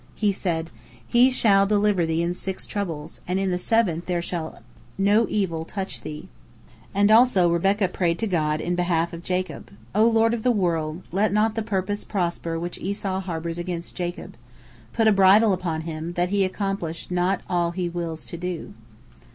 He said, "He shall deliver thee in six troubles, and in the seventh there shall no evil touch thee." And also Rebekah prayed to God in behalf of Jacob: "O Lord of the world, let not the purpose prosper which Esau harbors against Jacob. Put a bridle upon him, that he accomplish not all he wills to do."